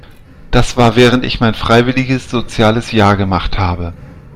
Das war während ich mein freiwilliges soziales Jahr gemacht habe.